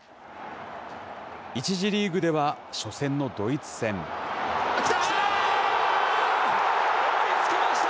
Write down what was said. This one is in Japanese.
１次リーグでは初戦のドイツ戦。きた！